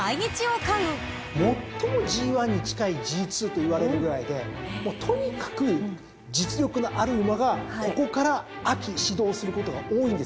最もＧⅠに近いＧⅡといわれるぐらいでとにかく実力のある馬がここから秋始動することが多いんですよ。